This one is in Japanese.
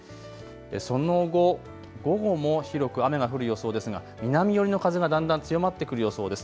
その後、午後も広く雨が降る予想ですが南寄りの風がだんだん強まってくる予想です。